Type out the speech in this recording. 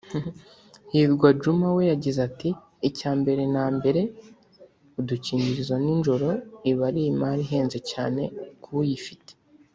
Hirwa Djuma we yagize ati “ Icyambere na mbere udukingirizo ninjoro iba ari imari ihenze cyane k’uyifite